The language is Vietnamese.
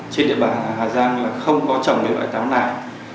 trên địa bàn hà giang là không có trồng loại táo này